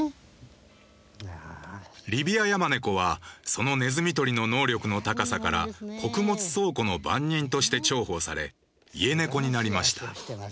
リビアヤマネコはそのネズミ取りの能力の高さから穀物倉庫の番人として重宝されイエネコになりました。